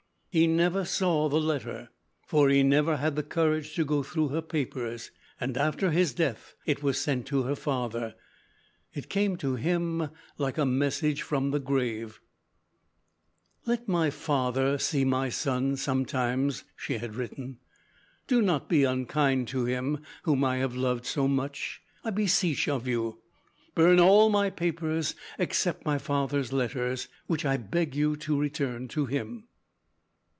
He never saw the letter, for he never had the courage to go through her papers, and after his death it was sent to her father. It came to him like a message from the grave: "Let my father see my son, sometimes," she had written. "Do not be unkind to him whom I have loved so much, I beseech of you. Burn all my papers except my father's letters, which I beg you to return to him."